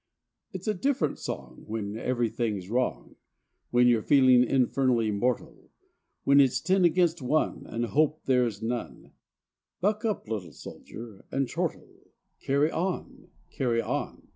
It's a different song when everything's wrong, When you're feeling infernally mortal; When it's ten against one, and hope there is none, Buck up, little soldier, and chortle: Carry on! Carry on!